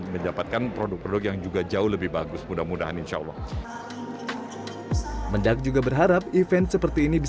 menjapatkan produk produk yang juga jauh lebih bagus mudah mudahan insyaallah mendak juga berharap